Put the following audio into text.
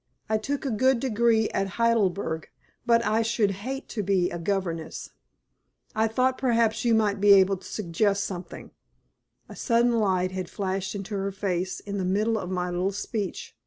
I took a good degree at Heidelberg, but I should hate to be a governess. I thought perhaps you might be able to suggest something." A sudden light had flashed into her face in the middle of my little speech.